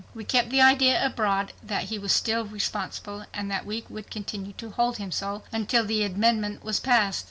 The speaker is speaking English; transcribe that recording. We kept the idea abroad that he was still responsible, and that we would continue to hold him so, until the amendment was passed.